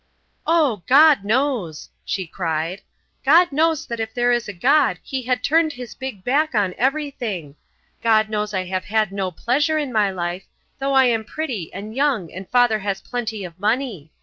"Oh, God knows!" she cried. "God knows that if there is a God He has turned His big back on everything. God knows I have had no pleasure in my life, though I am pretty and young and father has plenty of money.